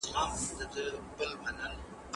تاسو خپل کمپیوټر د شپې لخوا له برېښنا څخه جلا کړئ.